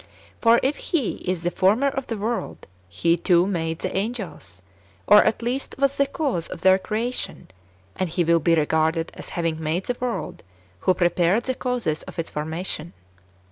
For if He is the Former of the world, He too made the angels, or at least was the cause of their creation ; and He will be regarded as having made the world who prepared the causes of its formation.